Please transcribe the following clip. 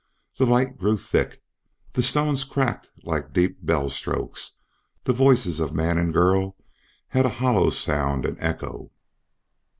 The light grew thick, the stones cracked like deep bell strokes; the voices of man and girl had a hollow sound and echo.